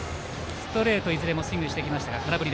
ストレート、いずれもスイングしてきましたが空振り。